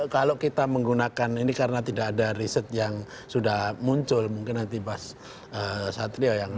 kalau kita menggunakan ini karena tidak ada riset yang sudah muncul mungkin nanti mas satrio yang